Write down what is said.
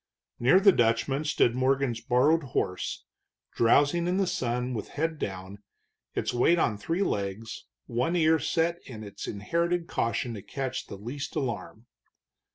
Near the Dutchman stood Morgan's borrowed horse, drowsing in the sun with head down, its weight on three legs, one ear set in its inherited caution to catch the least alarm.